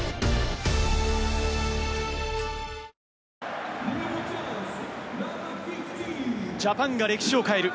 続くジャパンが歴史を変える。